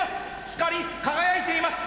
光り輝いています